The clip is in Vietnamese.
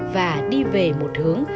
và đi về một hướng